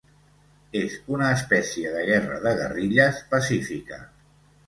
És una espècie de guerra de guerrilles pacífica.